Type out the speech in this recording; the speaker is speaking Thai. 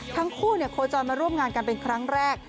ทั้งคู่โครจรมาร่วมงานกันเป็นครั้งแรก